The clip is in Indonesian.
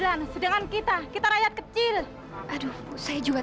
tunggu sk prioritas saya sebentar untuk pindah rumah